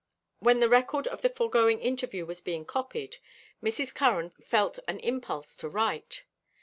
When the record of the foregoing interview was being copied, Mrs. Curran felt an impulse to write.